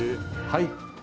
はい。